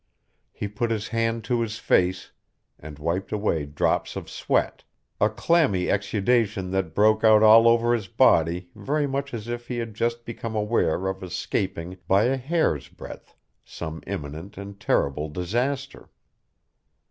He put his hand to his face and wiped away drops of sweat, a clammy exudation that broke out all over his body very much as if he had just become aware of escaping by a hair's breadth some imminent and terrible disaster.